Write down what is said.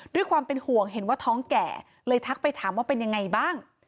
ด้วยความเป็นห่วงเห็นว่าท้องแก่เลยทักไปถามว่าเป็นยังไงบ้าง